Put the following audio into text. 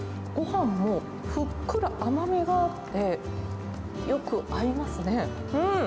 ごはんも、ふっくら甘みがあって、よく合いますね。